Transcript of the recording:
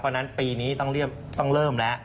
เพราะฉะนั้นปีนี้ต้องเริ่มแล้ว